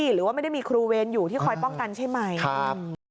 สวัสดีครับ